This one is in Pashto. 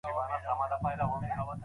هغه خپله ذهني ازادي له لاسه ورکړې ده.